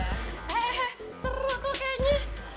eh seru tuh kayaknya